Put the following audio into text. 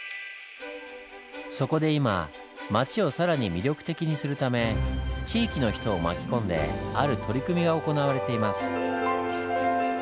そこで今街を更に魅力的にするため地域の人を巻き込んである取り組みが行われています。